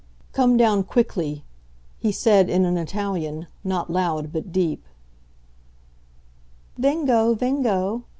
"Come down quickly!" he said in an Italian not loud but deep. "Vengo, vengo!"